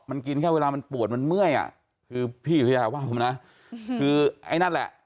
มันกินแค่เวลามันปวดมันเมื่อยอ่ะคือพี่สุยาว่าผมนะคือไอ้นั่นแหละ